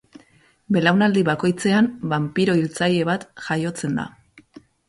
Belaunaldi bakoitzean banpiro-hiltzaile bat jaiotzen da.